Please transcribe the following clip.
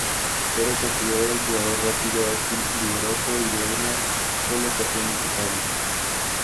Era considerado un jugador rápido, ágil, vigoroso y de una colocación impecable.